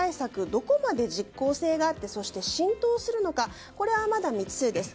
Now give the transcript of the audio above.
どこまで実効性があってそして、浸透するのかこれはまだ未知数です。